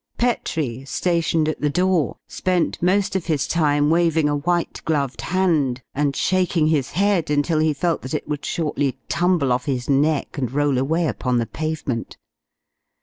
Petrie, stationed at the door, spent most of his time waving a white gloved hand, and shaking his head until he felt that it would shortly tumble off his neck and roll away upon the pavement.